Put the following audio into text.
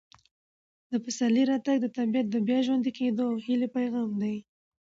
د پسرلي راتګ د طبیعت د بیا ژوندي کېدو او هیلې پیغام دی.